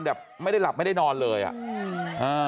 แบบไม่ได้หลับไม่ได้นอนเลยอะ